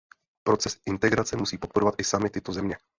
Proces integrace musí podporovat i samy tyto země.